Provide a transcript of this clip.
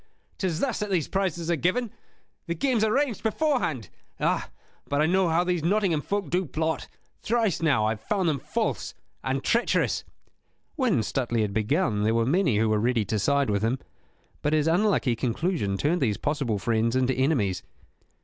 'Tis thus that these prizes are given; the game's arranged beforehand. Ah, but I know how these Nottingham folk do plot: thrice now have I found them false and treacherous." When Stuteley had begun there were many who were ready to side with him, but his unlucky conclusion turned these possible friends into enemies.